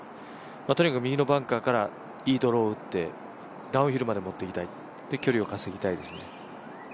とにかく右のバンカーからいいドロー打って、ダウンヒルまで持っていきたいで、距離を稼ぎたいですね。